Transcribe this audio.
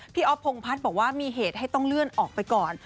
อ๊อฟพงพัฒน์บอกว่ามีเหตุให้ต้องเลื่อนออกไปก่อน